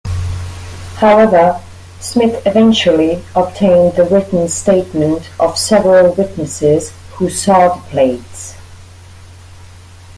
However, Smith eventually obtained the written statement of several witnesses who saw the plates.